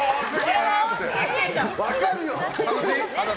分かるよ！